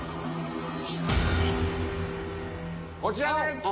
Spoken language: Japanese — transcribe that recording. こちらです！